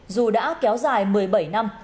dù đã kéo dài một mươi bảy năm